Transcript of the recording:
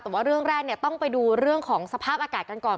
แต่ว่าเรื่องแรกเนี่ยต้องไปดูเรื่องของสภาพอากาศกันก่อน